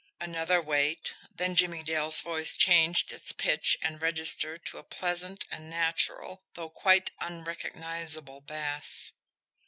Another wait then Jimmie Dale's voice changed its pitch and register to a pleasant and natural, though quite unrecognisable bass.